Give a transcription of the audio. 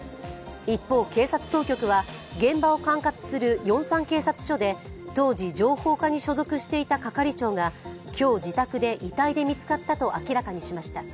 一方、警察当局は現場を管轄するヨンサン警察署で当時、情報課に所属していた係長が今日、自宅で遺体で見つかったと明らかにしました。